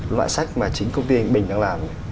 loại sách mà chính công ty bình đang làm